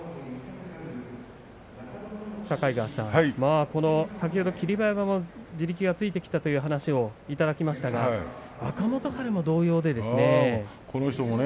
境川さん、先ほど霧馬山も地力がついてきたという話もしましたけど若元春も同様ですね。